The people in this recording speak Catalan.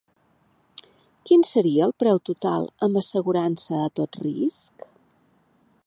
Quin seria el preu total, amb assegurança a tot risc?